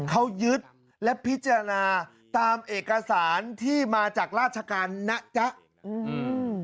เขายึดและพิจารณาตามเอกสารที่มาจากราชการนะจ๊ะอืม